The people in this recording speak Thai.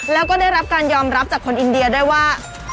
แล้วก็ได้รับการยอมรับจากคนอินเดียด้วยว่า